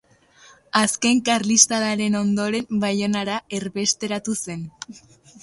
Azken Karlistadaren ondoren Baionara erbesteratu zen.